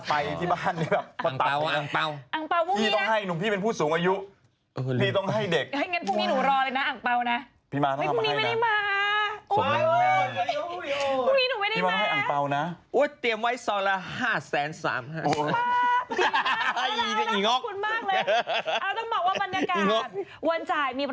ไปซื้อยังคะพี่